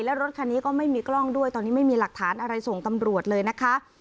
และรถคันนี้ก็ไม่มีกล้องด้วยตอนนี้ไม่มีหลักฐานอะไรส่งตำรวจเลยนะคะ